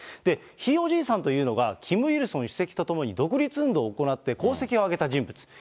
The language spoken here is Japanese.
ひいおじいさんというのが、キム・イルソン主席と共に独立運動を行って、功績を挙げた人物。